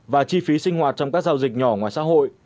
và chi phí sinh hoạt trong các giao dịch nhỏ ngoài xã hội